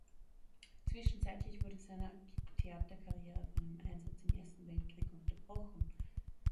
Zwischenzeitlich wurde seiner Theaterkarriere von einem Einsatz im Ersten Weltkrieg unterbrochen.